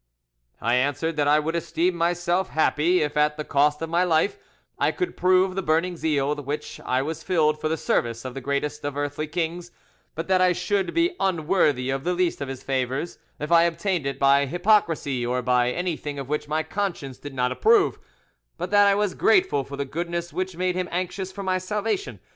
"I answered that I would esteem myself happy if at the cost of my life I could prove the burning zeal with which I was filled for the service of the greatest of earthly kings, but that I should be unworthy of the least of his favours if I obtained it by hypocrisy or by anything of which my conscience did not approve, but that I was grateful for the goodness which made him anxious for my salvation.